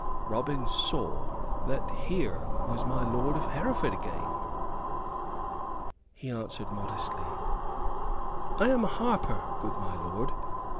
Robin saw that here was my lord of Hereford again! He answered, modestly: "I am a harper, good my lord.